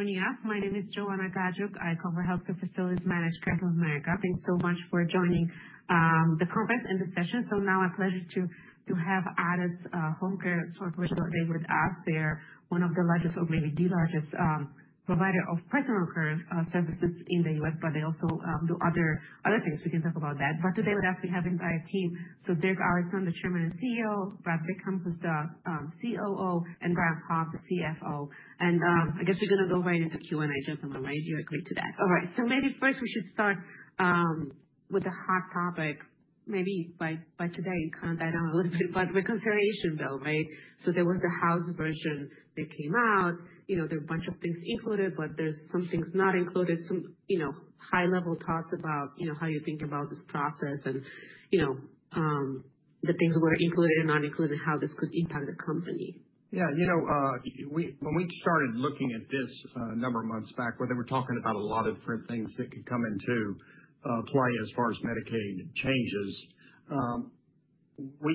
Thank you for joining us. My name is Joanna Gajuk. I cover healthcare facilities managed care in America. Thanks so much for joining the conference and the session. A pleasure to have Addus HomeCare Corporation today with us. They're one of the largest, or maybe the largest, providers of personal care services in the US, but they also do other things. We can talk about that. Today, with us, we have an entire team: Dirk Allison, the Chairman and CEO; Brad Bickham, the COO; and Brian Poff, the CFO. I guess we're going to go right into Q&A, gentlemen, right? You agree to that? All right. Maybe first, we should start with a hot topic, maybe by today, kind of die down a little bit, but reconsideration bill, right? There was the House version that came out. There are a bunch of things included, but there are some things not included. Some high-level thoughts about how you think about this process and the things that were included and not included, and how this could impact the company. Yeah. 6g5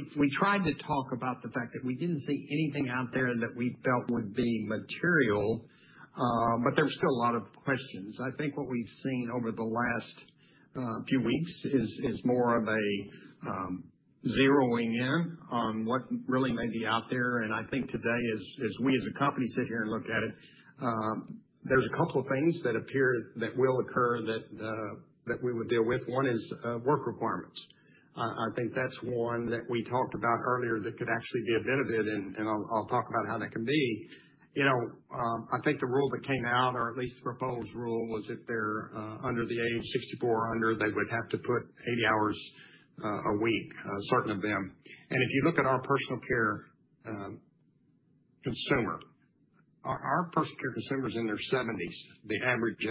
I think the rule that came out, or at least the proposed rule, was if they're under the age of 64, they would have to put in 80 hours a week, certain of them. If you look at our personal care consumer, our personal care consumer is in their 70s on average.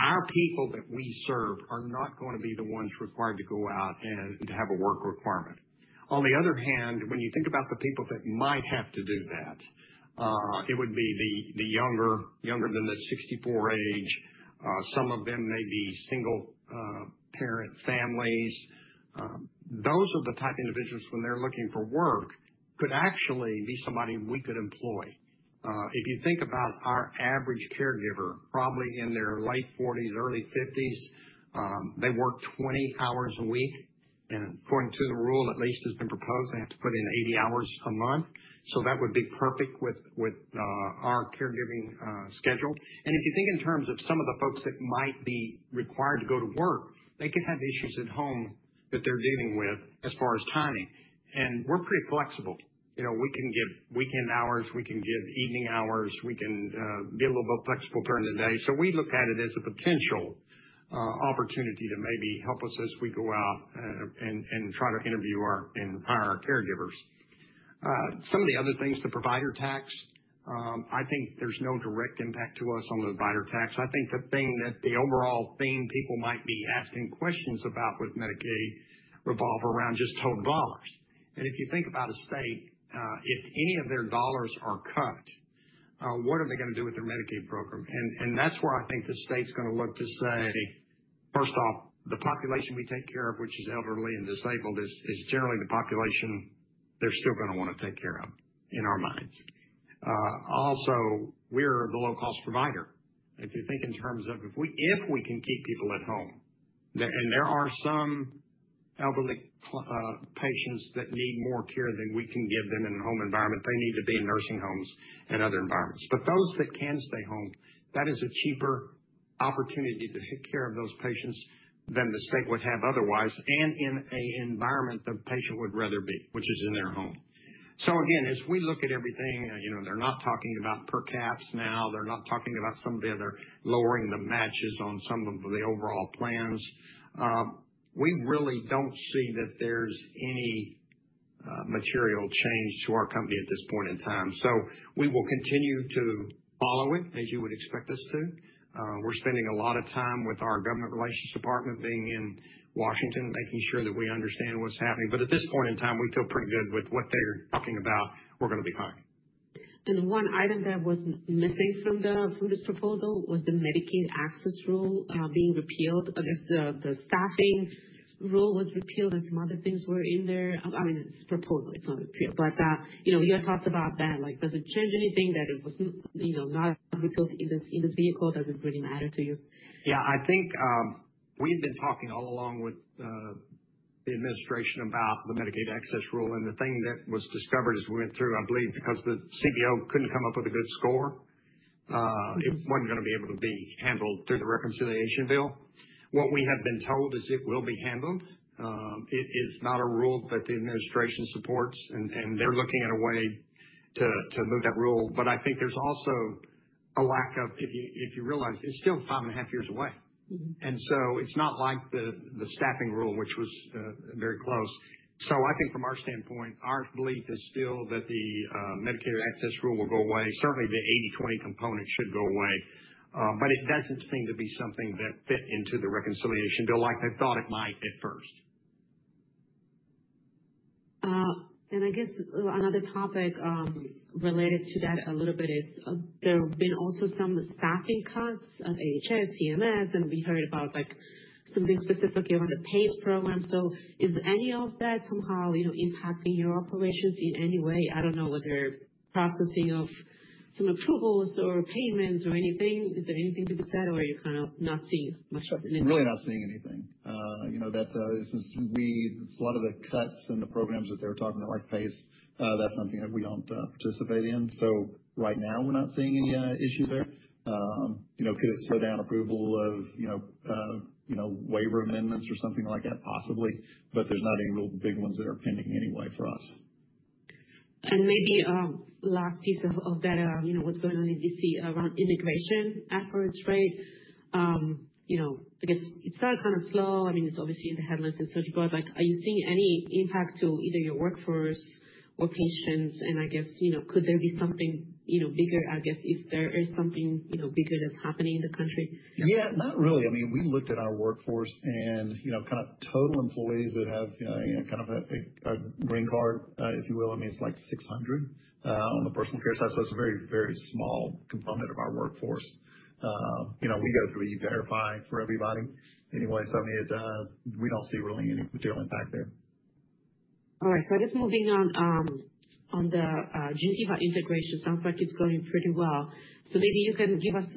Our people that we serve are not going to be the ones required to go out and have a work requirement. On the other hand, when you think about the people that might have to do that, it would be the younger than 64 age. Some of them may be single-parent families. Those are the types of individuals who, when they're looking for work, could actually be somebody we could employ. If you think about our average caregiver, probably in their late 40s or early 50s, they work 20 hours a week. According to the rule, at least, it's been proposed they have to put in 80 hours a month. That would fit perfectly with our caregiving schedule. If you think in terms of some of the folks that might be required to go to work, they could have issues at home that they're dealing with as far as timing. We're pretty flexible. We can give weekend hours. We can give evening hours. We can be a little bit flexible during the day. We look at it as a potential opportunity to help us as we go out and try to interview and hire our caregivers. Some of the other things, like the provider tax, I think there's no direct impact to us. I think the overall theme people might be asking questions about with Medicaid revolves around just total dollars. If you think about a state, if any of their dollars are cut, what are they going to do with their Medicaid program? That's where I think the state is going to look to say, first off, the population we take care of, which is elderly and disabled, is generally the population they're still going to want to take care of. Also, we're the low-cost provider. If we can keep people at home, and there are some elderly patients who need more care than we can give them in a home environment, they would need to be in nursing homes or other environments. Those that can stay home, that is a cheaper way to take care of those patients than the state would have otherwise, and in an environment the patient would rather be in, which is their home. Again, as we look at everything, they're not talking about per caps now. They're not talking about lowering the matches on some of the overall plans. We really don't see any material change to our company at this point in time. We will continue to follow it, as you would expect us to. We're spending a lot of time with our government relations department in Washington, making sure that we understand what's happening. At this point, we feel pretty good about what they're talking about. We're going to be fine. One item missing from this proposal was the Medicaid access rule being repealed. I guess the staffing rule was repealed and some other things were included. I mean, it's a proposal. It's not repealed. But you had talked about that. Does it change anything that it was not repealed in this vehicle? Does it really matter to you? Yeah. I think we've been talking all along with the administration about the Medicaid access rule. The thing that was discovered as we went through, I believe because the CBO couldn't come up with a good score, is that it wasn't going to be able to be handled through the reconciliation bill. What we have been told is that it will be handled. It is not a rule the administration supports, and they're looking at a way to move that rule. I think there's also a lack of urgency, if you realize, since it's still five and a half years away. It's not like the staffing rule, which was very close. From our standpoint, we still believe the Medicaid access rule will go away. Certainly, the 80/20 component should go away. It does not seem to be something that fit into the reconciliation bill like they thought it might at first. I guess another topic related to that a little bit is there have been also some staffing cuts. AHS, CMS, and we heard about something specifically around the PACE program. Is any of that somehow impacting your operations in any way? I do not know whether processing of some approvals or payments or anything. Is there anything to be said, or are you kind of not seeing much of anything? Really not seeing anything. This is a lot of the cuts and the programs that they're talking about, like PACE, that's something that we don't participate in. Right now, we're not seeing any issue there. Could it slow down approval of waiver amendments or something like that? Possibly. There's not any real big ones that are pending anyway for us. Maybe last piece of that, what's going on in D.C. around immigration efforts, right? I guess it's still kind of slow. I mean, it's obviously in the headlines and search bars. Are you seeing any impact to either your workforce or patients? I guess, could there be something bigger? I guess if there is something bigger that's happening in the country? Yeah, not really. I mean, we looked at our workforce and kind of total employees that have kind of a green card, if you will. I mean, it's like 600 on the personal care side. So it's a very, very small component of our workforce. We go through E-Verify for everybody anyway. So I mean, we don't see really any material impact there. All right. I guess moving on, the Geneva integration sounds like it's going pretty well. Maybe you can give us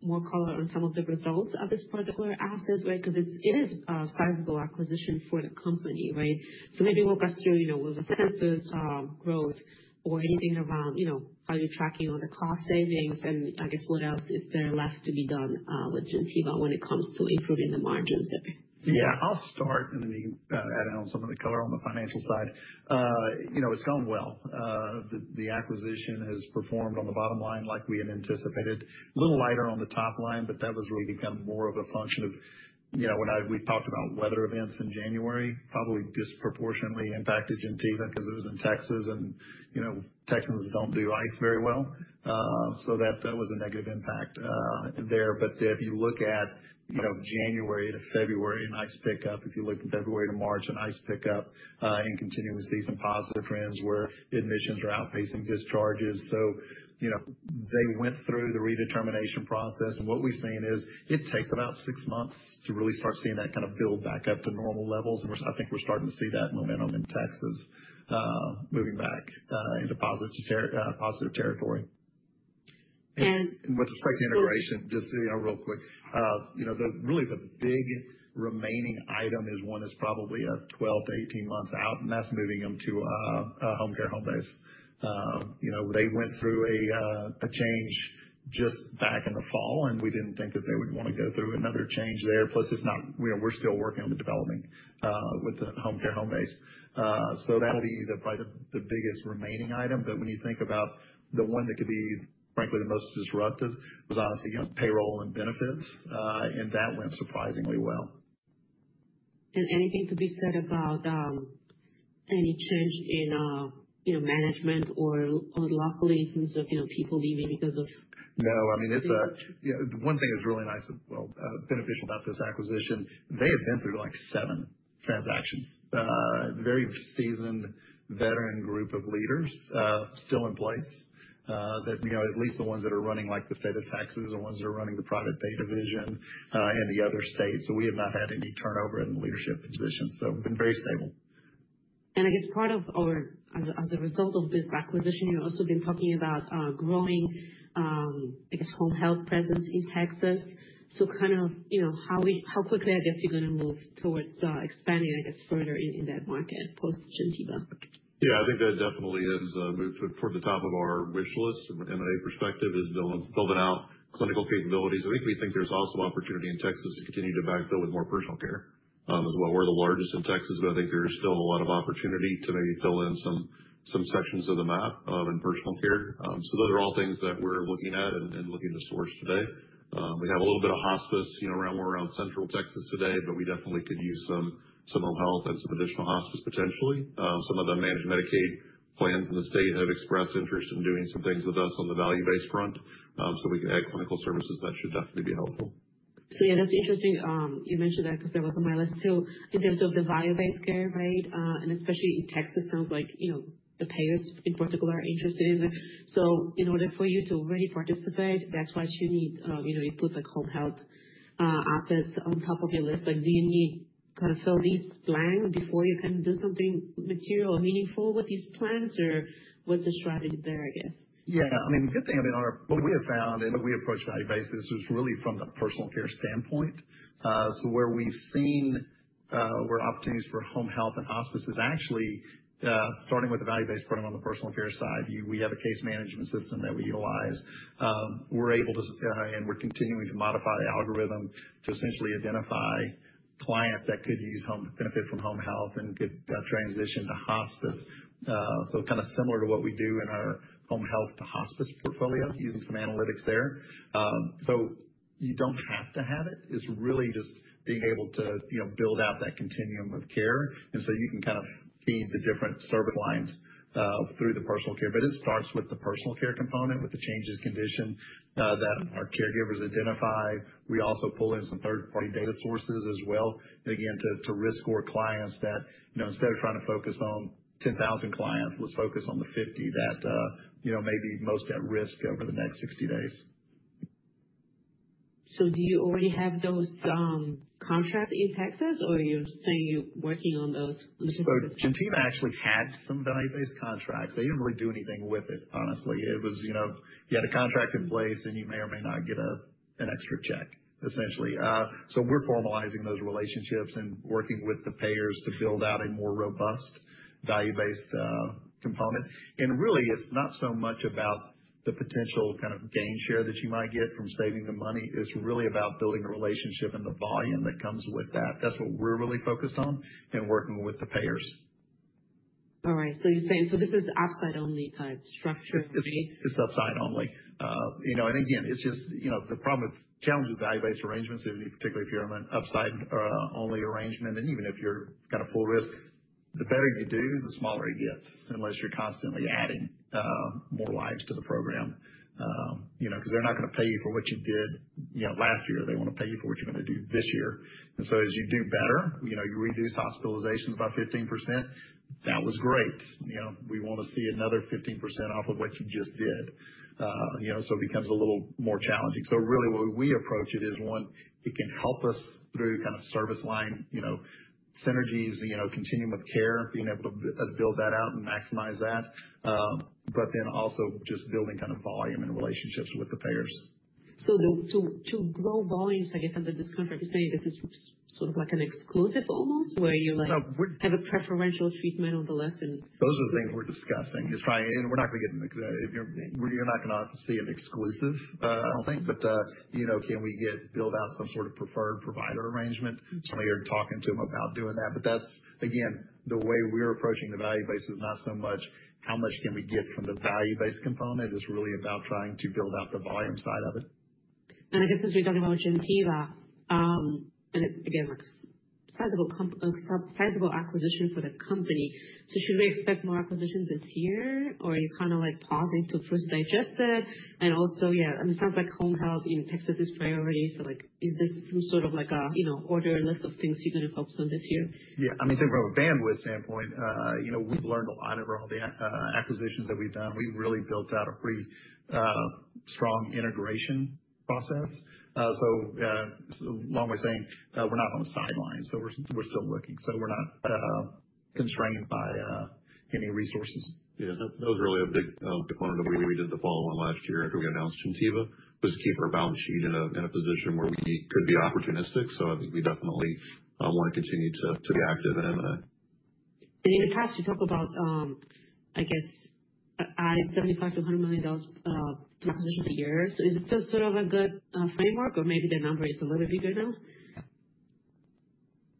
more color on some of the results of this particular asset, right? Because it is a sizable acquisition for the company, right? Maybe walk us through with the census growth or anything around how you're tracking on the cost savings. I guess what else is there left to be done with Geneva when it comes to improving the margins there? Yeah. I'll start and then add on some of the color on the financial side. It's gone well. The acquisition has performed on the bottom line like we had anticipated. A little lighter on the top line, but that was really kind of more of a function of when we talked about weather events in January, probably disproportionately impacted Geneva because it was in Texas, and Texans don't do ice very well. That was a negative impact there. If you look at January to February and ice pickup, if you look from February to March and ice pickup in continuous season positive trends where admissions are outpacing discharges. They went through the redetermination process. What we've seen is it takes about six months to really start seeing that kind of build back up to normal levels. I think we're starting to see that momentum in Texas moving back into positive territory. With respect to integration, just real quick, really the big remaining item is one that is probably 12-18 months out, and that's moving them to Home Care Home Base. They went through a change just back in the fall, and we didn't think that they would want to go through another change there. Plus, we're still working on the development with Home Care Home Base. That will be probably the biggest remaining item. When you think about the one that could be, frankly, the most disruptive, it was obviously payroll and benefits, and that went surprisingly well. Anything to be said about any change in management or, luckily, in terms of people leaving because of. No. I mean, one thing that's really nice and beneficial about this acquisition, they have been through like seven transactions. Very seasoned veteran group of leaders still in place that at least the ones that are running the state of Texas and the ones that are running the private pay division and the other states. So we have not had any turnover in the leadership position. So we've been very stable. I guess part of, or as a result of this acquisition, you've also been talking about growing, I guess, home health presence in Texas. Kind of how quickly, I guess, you're going to move towards expanding, I guess, further in that market post-Geneva? Yeah. I think that definitely has moved toward the top of our wish list from an M&A perspective is building out clinical capabilities. I think we think there's also opportunity in Texas to continue to backfill with more personal care as well. We're the largest in Texas, but I think there's still a lot of opportunity to maybe fill in some sections of the map in personal care. Those are all things that we're looking at and looking to source today. We have a little bit of hospice around more around central Texas today, but we definitely could use some home health and some additional hospice potentially. Some of the managed Medicaid plans in the state have expressed interest in doing some things with us on the value-based front. We can add clinical services that should definitely be helpful. Yeah, that's interesting. You mentioned that because that was on my list too in terms of the value-based care, right? Especially in Texas, it sounds like the payers in particular are interested in it. In order for you to really participate, that's why you need to put home health assets on top of your list. Do you need to kind of fill these blanks before you can do something material or meaningful with these plans? What's the strategy there, I guess? Yeah. I mean, the good thing, I mean, what we have found, and what we approach value-based, is really from the personal care standpoint. So where we've seen where opportunities for home health and hospice is actually starting with the value-based program on the personal care side. We have a case management system that we utilize. We're able to, and we're continuing to modify the algorithm to essentially identify clients that could benefit from home health and could transition to hospice. Kind of similar to what we do in our home health to hospice portfolio using some analytics there. You do not have to have it. It is really just being able to build out that continuum of care. You can kind of feed the different service lines through the personal care. It starts with the personal care component with the changes in condition that our caregivers identify. We also pull in some third-party data sources as well, again, to risk our clients that instead of trying to focus on 10,000 clients, let's focus on the 50 that may be most at risk over the next 60 days. Do you already have those contracts in Texas, or are you saying you're working on those? Geneva actually had some value-based contracts. They did not really do anything with it, honestly. It was you had a contract in place, and you may or may not get an extra check, essentially. We are formalizing those relationships and working with the payers to build out a more robust value-based component. Really, it is not so much about the potential kind of game share that you might get from saving the money. It is really about building the relationship and the volume that comes with that. That is what we are really focused on and working with the payers. All right. So you're saying so this is upside-only kind of structure? It's upside-only. Again, the problem with challenging value-based arrangements is particularly if you're on an upside-only arrangement. Even if you're kind of full risk, the better you do, the smaller it gets unless you're constantly adding more lives to the program. They're not going to pay you for what you did last year. They want to pay you for what you're going to do this year. As you do better, you reduce hospitalizations by 15%, that was great. We want to see another 15% off of what you just did. It becomes a little more challenging. Really, the way we approach it is, one, it can help us through kind of service line synergies, continuum of care, being able to build that out and maximize that. Also, just building kind of volume and relationships with the payers. To grow volumes, I guess, under this contract, you're saying this is sort of like an exclusive almost, where you have a preferential treatment on the left. Those are the things we're discussing. It's probably we're not going to get an exact, you're not going to see an exclusive, I don't think. Can we build out some sort of preferred provider arrangement? We are talking to them about doing that. Again, the way we're approaching the value-based is not so much how much can we get from the value-based component. It's really about trying to build out the volume side of it. I guess since we're talking about Geneva, and it's again, sizable acquisition for the company. Should we expect more acquisitions this year, or are you kind of pausing to first digest it? Also, yeah, it sounds like home health in Texas is priority. Is this some sort of order list of things you're going to focus on this year? Yeah. I mean, from a bandwidth standpoint, we've learned a lot over all the acquisitions that we've done. We've really built out a pretty strong integration process. Along with saying we're not on the sidelines, we're still looking. We're not constrained by any resources. Yeah. That was really a big component of the way we did the follow-on last year after we announced Geneva was to keep our balance sheet in a position where we could be opportunistic. I think we definitely want to continue to be active and. In the past, you talked about, I guess, adding $75-$100 million to acquisitions a year. Is it still sort of a good framework, or maybe the number is a little bit bigger now?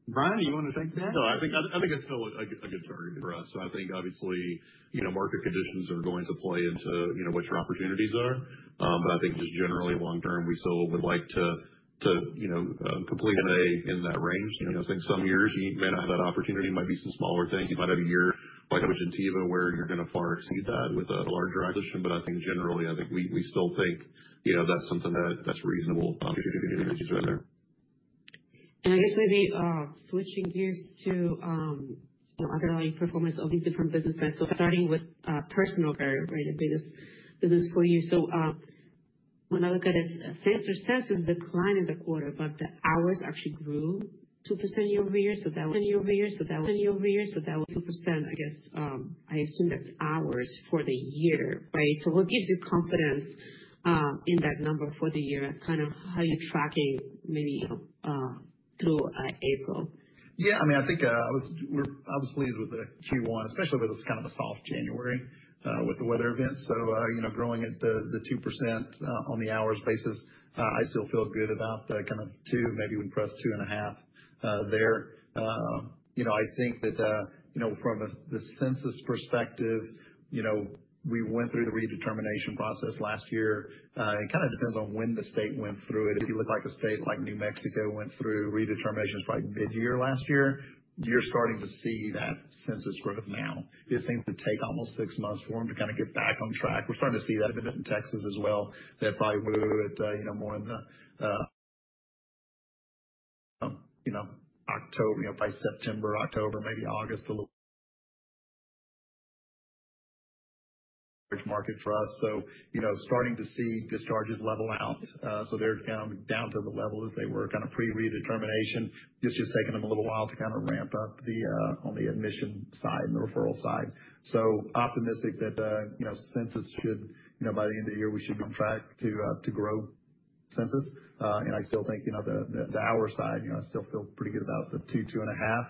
Brian, do you want to take that? No, I think it's still a good target for us. I think, obviously, market conditions are going to play into what your opportunities are. I think just generally, long term, we still would like to complete in that range. I think some years you may not have that opportunity. It might be some smaller things. You might have a year like with Geneva where you're going to far exceed that with a larger acquisition. I think generally, I think we still think that's something that's reasonable if you do get any changes around there. I guess maybe switching gears to underlying performance of these different businesses. Starting with personal care, right, the biggest business for you. When I look at it, since the client in the quarter, but the hours actually grew 2% year over year. That was year over year. That was 2%. I guess I assume that's hours for the year, right? What gives you confidence in that number for the year? Kind of how are you tracking maybe through April? Yeah. I mean, I think I was pleased with the Q1, especially with this kind of a soft January with the weather events. Growing at the 2% on the hours basis, I still feel good about the kind of two, maybe we can press two and a half there. I think that from the census perspective, we went through the redetermination process last year. It kind of depends on when the state went through it. If you look at a state like New Mexico went through redetermination probably mid-year last year, you're starting to see that census growth now. It seems to take almost six months for them to kind of get back on track. We're starting to see that a bit in Texas as well. They're probably more in the September, October, maybe August, a little market for us. Starting to see discharges level out. They're down to the level that they were kind of pre-redetermination. It's just taken them a little while to kind of ramp up on the admission side and the referral side. Optimistic that census should, by the end of the year, we should be on track to grow census. I still think the hour side, I still feel pretty good about the two, two and a half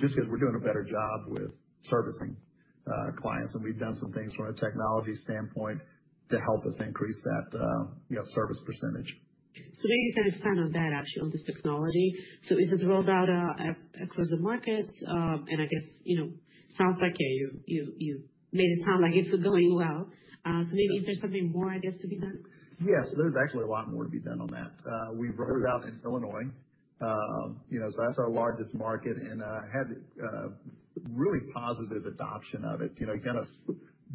just because we're doing a better job with servicing clients. We've done some things from a technology standpoint to help us increase that service percentage. Maybe kind of sign on that actually on this technology. Is it rolled out across the market? I guess sounds like, yeah, you made it sound like it's going well. Maybe is there something more, I guess, to be done? Yes. There's actually a lot more to be done on that. We've rolled it out in Illinois. That is our largest market, and I had really positive adoption of it. You kind of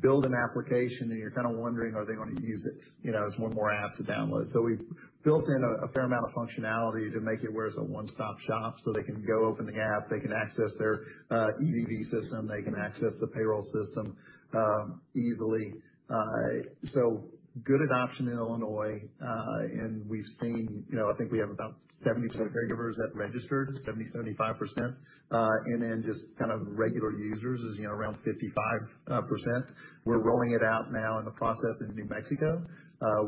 build an application, and you're kind of wondering, are they going to use it? It's one more app to download. We've built in a fair amount of functionality to make it where it's a one-stop shop so they can go open the app. They can access their EDV system. They can access the payroll system easily. Good adoption in Illinois. We've seen, I think we have about 70% of caregivers that registered, 70-75%. Regular users is around 55%. We're rolling it out now in the process in New Mexico.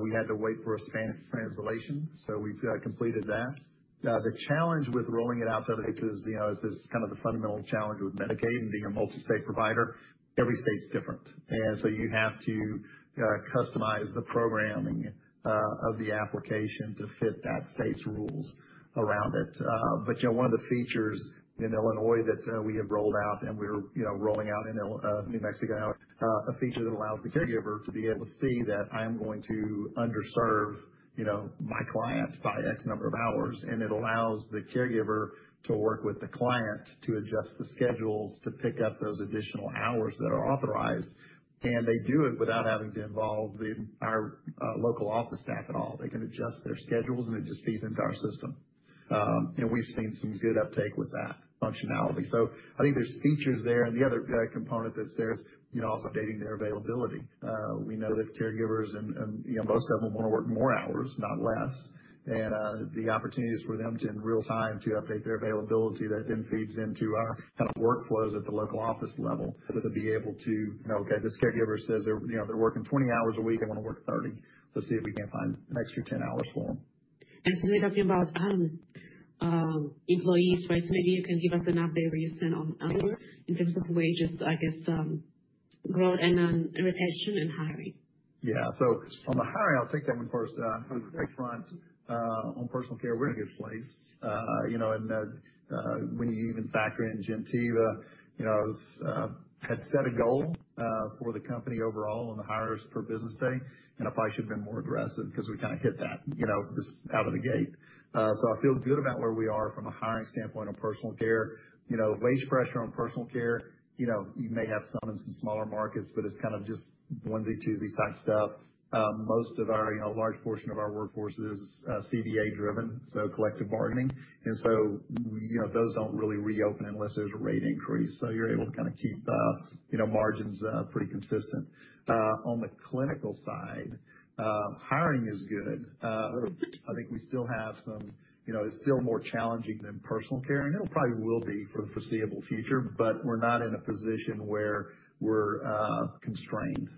We had to wait for a Spanish translation, so we've completed that. The challenge with rolling it out, I think because it's kind of the fundamental challenge with Medicaid and being a multi-state provider, every state's different. You have to customize the programming of the application to fit that state's rules around it. One of the features in Illinois that we have rolled out, and we're rolling out in New Mexico, is a feature that allows the caregiver to be able to see that I am going to underserve my client by X number of hours. It allows the caregiver to work with the client to adjust the schedules to pick up those additional hours that are authorized. They do it without having to involve our local office staff at all. They can adjust their schedules, and it just feeds into our system. We've seen some good uptake with that functionality. I think there's features there. The other component that's there is also updating their availability. We know that caregivers, and most of them want to work more hours, not less. The opportunities for them to, in real time, update their availability, that then feeds into our kind of workflows at the local office level to be able to, okay, this caregiver says they're working 20 hours a week. They want to work 30. Let's see if we can find an extra 10 hours for them. You're talking about employees, right? Maybe you can give us an update where you stand on in terms of wages, I guess, growth, and retention, and hiring. Yeah. On the hiring, I'll take that one first. On the person front, on personal care, we're in a good place. When you even factor in Geneva, I had set a goal for the company overall on the hires per business day, and I probably should have been more aggressive because we kind of hit that just out of the gate. I feel good about where we are from a hiring standpoint on personal care. Wage pressure on personal care, you may have some in some smaller markets, but it's kind of just Wednesday, Tuesday type stuff. Most of our large portion of our workforce is CBA driven, so collective bargaining. Those do not really reopen unless there's a rate increase. You are able to kind of keep margins pretty consistent. On the clinical side, hiring is good. I think we still have some, it's still more challenging than personal care. It'll probably be for the foreseeable future, but we're not in a position where we're constrained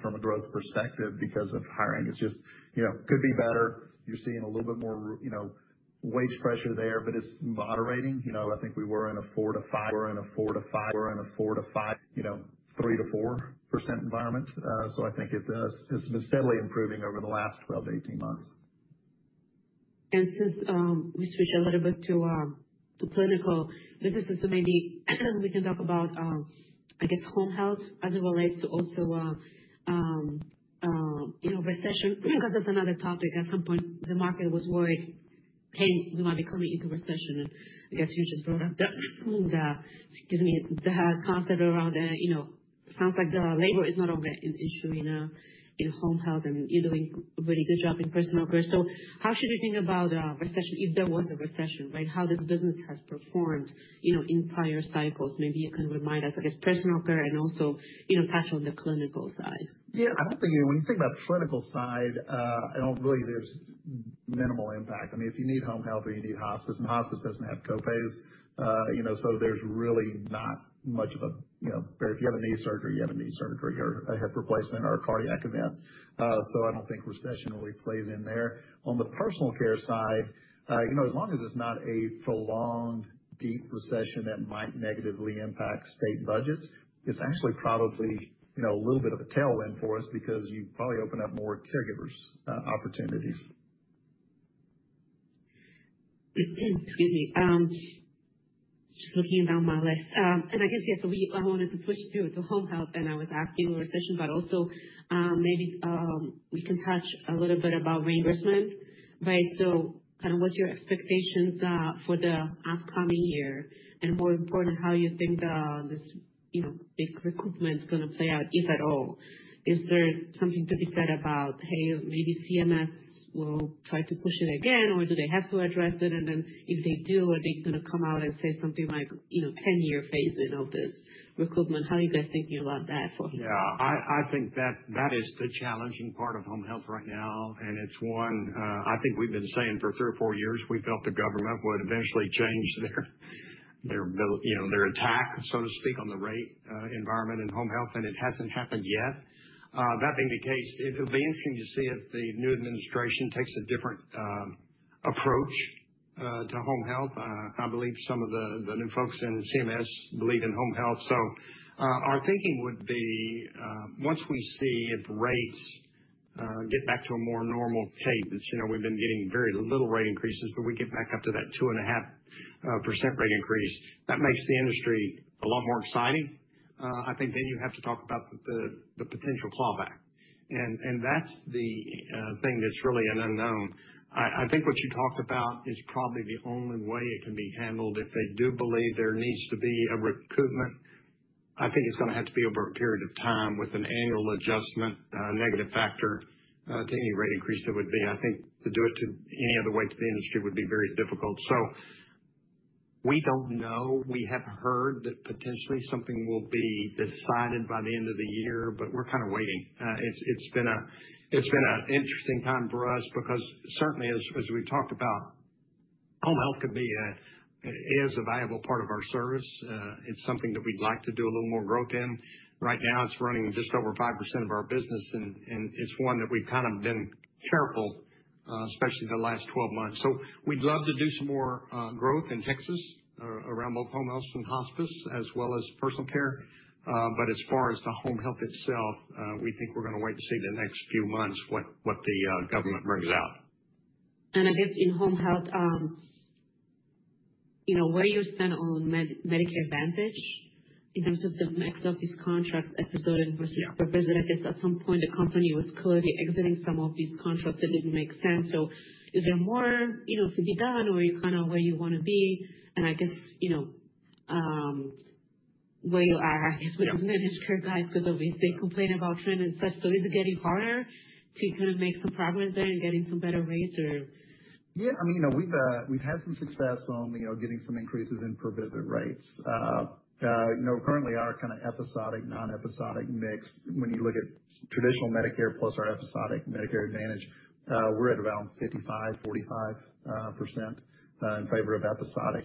from a growth perspective because of hiring. It just could be better. You're seeing a little bit more wage pressure there, but it's moderating. I think we were in a 4-5%, 3-4% environment. I think it's been steadily improving over the last 12 to 18 months. Since we switch a little bit to clinical businesses, maybe we can talk about, I guess, home health as it relates to also recession because that's another topic. At some point, the market was worried, "Hey, we might be coming into recession." I guess you just brought up, excuse me, the concept around the sounds like the labor is not only an issue in home health, and you're doing a really good job in personal care. How should you think about recession if there was a recession, right? How this business has performed in prior cycles? Maybe you can remind us, I guess, personal care and also touch on the clinical side. Yeah. I do not think when you think about the clinical side, I do not really, there is minimal impact. I mean, if you need home health or you need hospice, and hospice does not have copays. There is really not much of a, if you have a knee surgery, you have a knee surgery or a hip replacement or a cardiac event. I do not think recession really plays in there. On the personal care side, as long as it is not a prolonged deep recession that might negatively impact state budgets, it is actually probably a little bit of a tailwind for us because you probably open up more caregivers' opportunities. Excuse me. Just looking down my list. I guess, yeah, I wanted to switch to home health, and I was asking recession, but also maybe we can touch a little bit about reimbursement, right? Kind of what's your expectations for the upcoming year? More important, how do you think this big recruitment is going to play out, if at all? Is there something to be said about, "Hey, maybe CMS will try to push it again," or do they have to address it? If they do, are they going to come out and say something like 10-year phasing of this recruitment? How are you guys thinking about that for? Yeah. I think that is the challenging part of home health right now. It's one, I think we've been saying for three or four years, we felt the government would eventually change their attack, so to speak, on the rate environment in home health. It hasn't happened yet. That being the case, it'll be interesting to see if the new administration takes a different approach to home health. I believe some of the new folks in CMS believe in home health. Our thinking would be once we see if rates get back to a more normal cadence. We've been getting very little rate increases, but we get back up to that 2.5% rate increase. That makes the industry a lot more exciting. I think then you have to talk about the potential clawback. That's the thing that's really an unknown. I think what you talked about is probably the only way it can be handled. If they do believe there needs to be a recruitment, I think it's going to have to be over a period of time with an annual adjustment, a negative factor to any rate increase that would be. I think to do it any other way to the industry would be very difficult. We do not know. We have heard that potentially something will be decided by the end of the year, but we're kind of waiting. It's been an interesting time for us because certainly, as we talked about, home health is a valuable part of our service. It's something that we'd like to do a little more growth in. Right now, it's running just over 5% of our business, and it's one that we've kind of been careful, especially the last 12 months. We'd love to do some more growth in Texas around both home health and hospice as well as personal care. As far as the home health itself, we think we're going to wait to see the next few months what the government brings out. I guess in home health, where you stand on Medicare Advantage in terms of the mix of these contracts at this point versus the revision, I guess at some point the company was clearly exiting some of these contracts that did not make sense. Is there more to be done, or are you kind of where you want to be? Where are you, I guess, with the managed care guys because obviously they complain about trend and such. Is it getting harder to kind of make some progress there and getting some better rates? Yeah. I mean, we've had some success on getting some increases in per-visit rates. Currently, our kind of episodic, non-episodic mix, when you look at traditional Medicare plus our episodic Medicare Advantage, we're at around 55%, 45% in favor of episodic.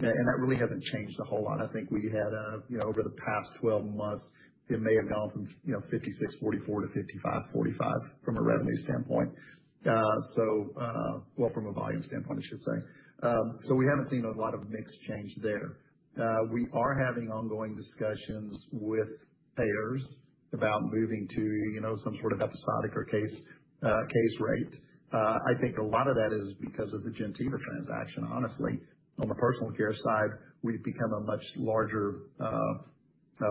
That really hasn't changed a whole lot. I think we had over the past 12 months, it may have gone from 56%, 44% to 55%, 45% from a volume standpoint. I should say from a volume standpoint. We haven't seen a lot of mix change there. We are having ongoing discussions with payers about moving to some sort of episodic or case rate. I think a lot of that is because of the Geneva transaction, honestly. On the personal care side, we've become a much larger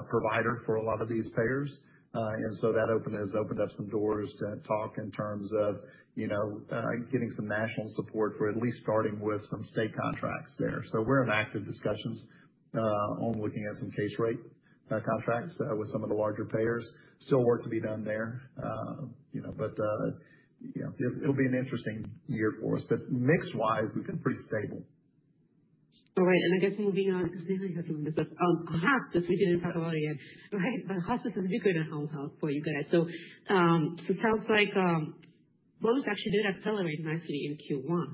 provider for a lot of these payers. That has opened up some doors to talk in terms of getting some national support for at least starting with some state contracts there. We are in active discussions on looking at some case rate contracts with some of the larger payers. Still work to be done there. It will be an interesting year for us. Mixed-wise, we have been pretty stable. All right. I guess moving on because I think I have some of this stuff. Hospice, we did not talk about it yet, right? Hospice is a big way to home health for you guys. It sounds like those actually did accelerate nicely in Q1,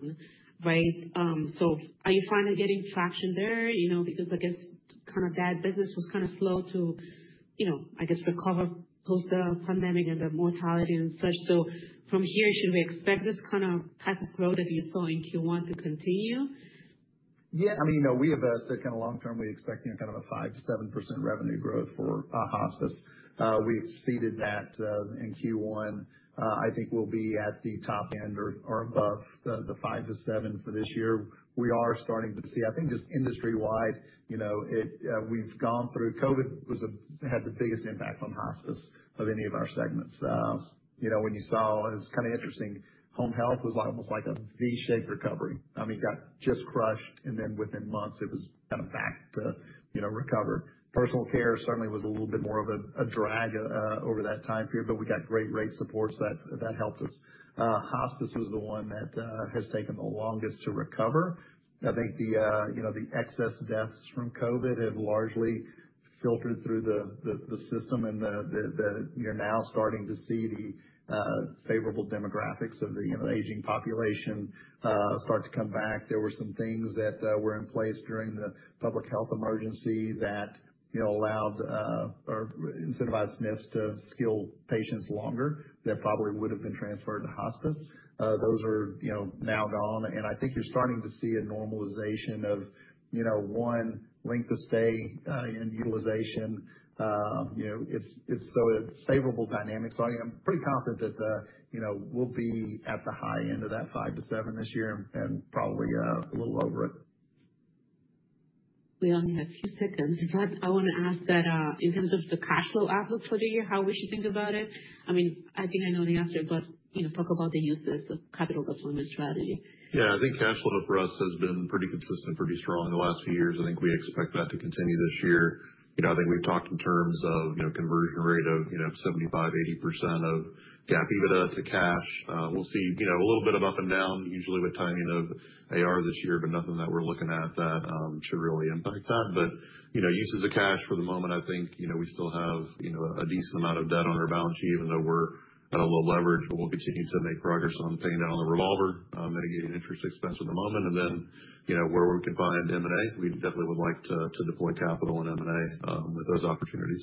right? Are you finally getting traction there? I guess that business was kind of slow to recover post-pandemic and the mortality and such. From here, should we expect this kind of type of growth that you saw in Q1 to continue? Yeah. I mean, we have said kind of long-term, we expect kind of a 5-7% revenue growth for hospice. We exceeded that in Q1. I think we'll be at the top end or above the 5-7% for this year. We are starting to see, I think just industry-wide, we've gone through COVID had the biggest impact on hospice of any of our segments. When you saw, it was kind of interesting. Home health was almost like a V-shaped recovery. I mean, got just crushed, and then within months, it was kind of back to recover. Personal care certainly was a little bit more of a drag over that time period, but we got great rate support. That helped us. Hospice was the one that has taken the longest to recover. I think the excess deaths from COVID have largely filtered through the system, and you're now starting to see the favorable demographics of the aging population start to come back. There were some things that were in place during the public health emergency that allowed or incentivized myths to skill patients longer that probably would have been transferred to hospice. Those are now gone. I think you're starting to see a normalization of one length of stay and utilization. It's favorable dynamics. I'm pretty confident that we'll be at the high end of that 5-7 this year and probably a little over it. We only have a few seconds. I want to ask that in terms of the cash flow outlook for the year, how we should think about it? I mean, I think I know the answer, but talk about the uses of capital deployment strategy. Yeah. I think cash flow for us has been pretty consistent, pretty strong in the last few years. I think we expect that to continue this year. I think we've talked in terms of conversion rate of 75%-80% of EBITDA to cash. We'll see a little bit of up and down, usually with timing of AR this year, but nothing that we're looking at that should really impact that. Uses of cash for the moment, I think we still have a decent amount of debt on our balance sheet, even though we're at a low leverage, but we'll continue to make progress on paying down the revolver, mitigating interest expense at the moment. Where we can find M&A, we definitely would like to deploy capital in M&A with those opportunities.